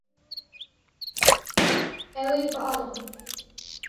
Ew ê bialiqin.